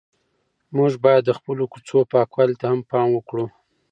موږ باید د خپلو کوڅو پاکوالي ته هم پام وکړو.